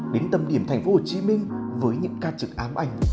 đến tâm điểm thành phố hồ chí minh với những ca trực ám ảnh